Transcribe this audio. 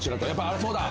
あれそうだ。